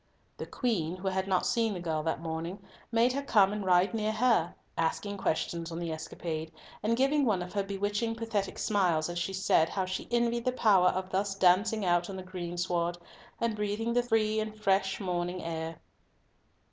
The Queen, who had not seen the girl that morning, made her come and ride near her, asking questions on the escapade, and giving one of her bewitching pathetic smiles as she said how she envied the power of thus dancing out on the greensward, and breathing the free and fresh morning air.